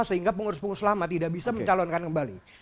sehingga pengurus pengurus lama tidak bisa mencalonkan kembali